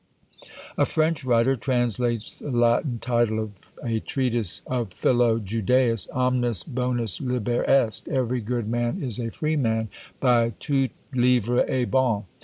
A French writer translates the Latin title of a treatise of Philo Judæus Omnis bonus liber est, Every good man is a free man, by Tout livre est bon.